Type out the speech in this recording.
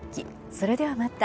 それではまた。